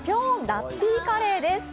ラッピーカレーです！